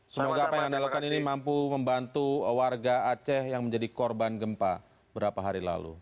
semoga apa yang anda lakukan ini mampu membantu warga aceh yang menjadi korban gempa berapa hari lalu